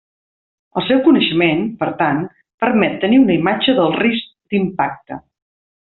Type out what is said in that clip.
El seu coneixement, per tant, permet tenir una imatge del risc d'impacte.